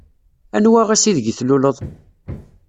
Anwa ass ideg tluleḍ?